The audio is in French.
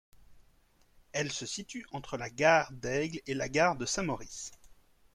Elle se situe entre la Gare d'Aigle et la gare de Saint-Maurice.